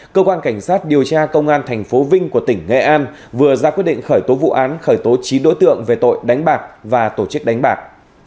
cơ quan cảnh sát điều tra công an tp vinh của tỉnh nghệ an vừa ra quyết định khởi tố vụ án khởi tố chín đối tượng về tội đánh bạc và tổ chức đánh bạc